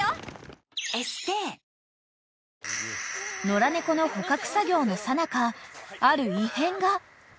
［野良猫の捕獲作業のさなかある異変が］